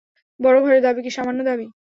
বড়ো ঘরের দাবি কি সামান্য দাবি।